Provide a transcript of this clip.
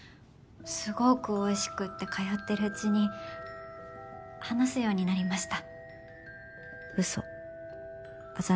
すごくおいしくて通ってるうちに話すようになりました。